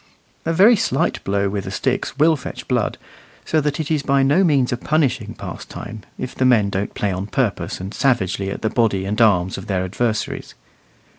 A very slight blow with the sticks will fetch blood, so that it is by no means a punishing pastime, if the men don't play on purpose and savagely at the body and arms of their adversaries.